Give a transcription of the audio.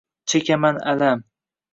Chekaman alam.